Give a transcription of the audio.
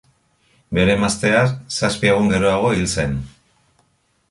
Bere emaztea zazpi egun geroago hil zen.